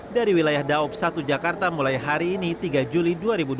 dari wilayah daob satu jakarta mulai hari ini tiga juli dua ribu dua puluh